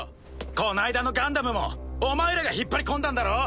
こないだのガンダムもお前らが引っ張り込んだんだろ？